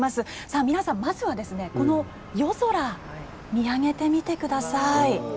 さあ皆さん、まずはですねこの夜空、見上げてみてください。